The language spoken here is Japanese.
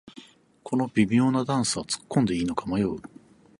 この微妙なダンスはつっこんでいいのか迷う